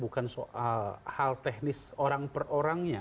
bukan soal hal teknis orang per orangnya